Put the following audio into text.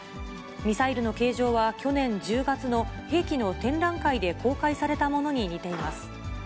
ミサイルの形状は去年１０月の兵器の展覧会で公開されたものに似ています。